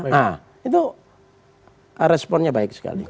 nah itu responnya baik sekali